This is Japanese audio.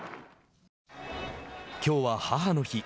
きょうは母の日。